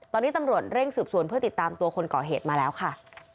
ตอนนี้ตำรวจเร่งสืบสวนเพื่อติดตามตัวคนก่อเหตุมาแล้วค่ะ